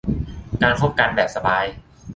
การคบกันแบบสบาย